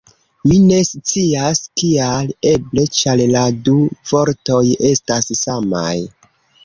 Mi ne scias kial. Eble ĉar la du vortoj estas samaj!